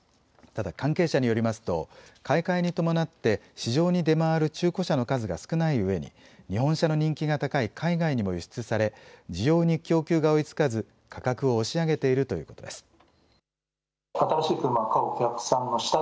ただ関係者によりますと買い替えに伴って市場に出回る中古車の数が少ないうえに日本車の人気が高い海外にも輸出され需要に供給が追いつかず、価格を押し上げているということです。